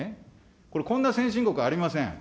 これ、こんな先進国ありません。